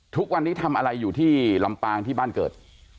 ทุกวันนี้ทำอะไรอยู่ที่ลำปางที่บ้านเกิด